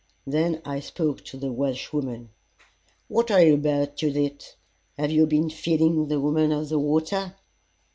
Then I spoke to the Welshwoman: "What are you about, Judith? Have you been feeding the Woman of the Water?"